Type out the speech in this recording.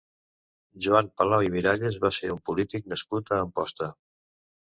Joan Palau i Miralles va ser un polític nascut a Amposta.